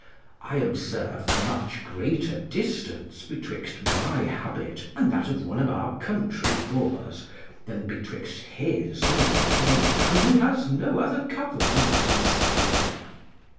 I observe much greater distance betwixt my habit and that of one of our country boors, than betwixt his and that of a man who has no other covering but his skin.